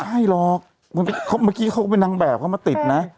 ใช่หรอกเมื่อกี้เขาก็เป็นนางแบบเขามาติดนะ